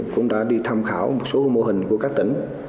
cũng đã đi tham khảo một số mô hình của các tỉnh